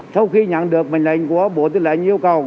sau khi nhận được mệnh lệnh của bộ tư lệnh yêu cầu